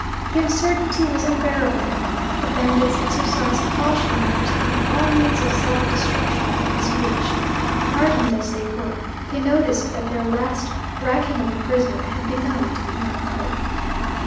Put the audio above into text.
The uncertainty was unbearable. The bandits exercised caution enough to keep all means of self destruction out of his reach. Hardened as they were, they noticed that their last racking of the prisoner had benumbed even hope.